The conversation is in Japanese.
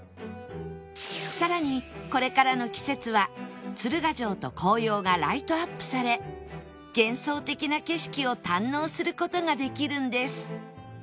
さらにこれからの季節は鶴ヶ城と紅葉がライトアップされ幻想的な景色を堪能する事ができるんです